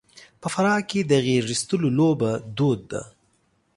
په فراه کې د غېږاېستلو لوبه دود ده.